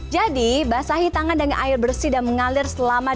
jadi basahi tangan dengan air bersih dan mengalir sebagian